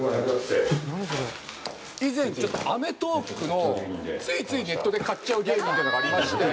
「以前ちょっと『アメトーーク』のついついネットで買っちゃう芸人っていうのがありまして」